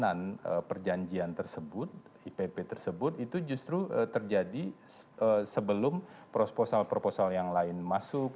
dan perjanjian tersebut ipp tersebut itu justru terjadi sebelum proposal proposal yang lain masuk